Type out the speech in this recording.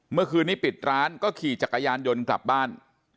เมื่อคืนนี้ปิดร้านก็ขี่จักรยานยนต์กลับบ้าน